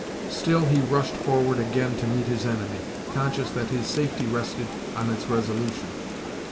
Still he rushed forward again to meet his enemy, conscious that his safety rested on it's resolution.